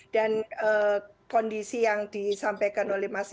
dan kondisi yang disampaikan oleh mbak wi